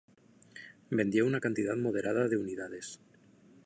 Vendió una cantidad moderada de unidades.